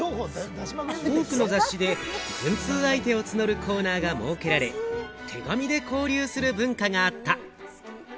多くの雑誌で文通相手を募るコーナーが設けられ、手紙で交流する文化があった。